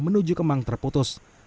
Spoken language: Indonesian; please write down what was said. menuju kemang terputus